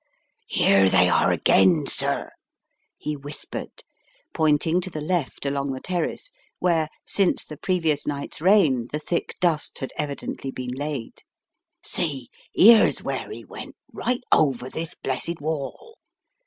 "Here they are again, sir," he whispered, pointing to the left along the terrace where, since the previous night's rain, the thick dust had evidently been laid, " See, 'ere's where 9 e went, right over this blessed wall.